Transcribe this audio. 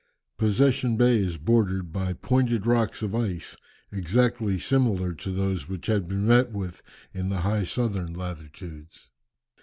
Possession Bay is bordered by pointed rocks of ice exactly similar to those which had been met with in the high southern latitudes.